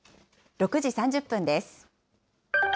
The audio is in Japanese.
６時３０分です。